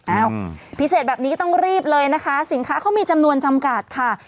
พิเศษแบบนี้ก็ต้องรีบเลยนะคะสินค้าเขามีจำนวนจำกัดค่ะ